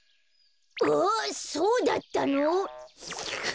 ああそうだったの？